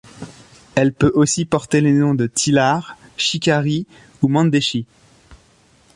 Elle peut aussi porter les noms de Thillar, Shikari ou Mandeshi.